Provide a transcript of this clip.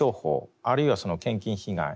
あるいは献金被害